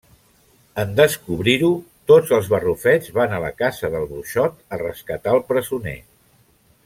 En descobrir-ho tots els barrufets van a la casa del bruixot a rescatar el presoner.